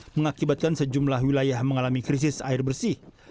mengakibatkan sejumlah wilayah mengalami krisis air bersih